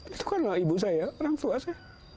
itu karena ibu saya orang tua saya